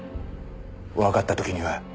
わかった時には。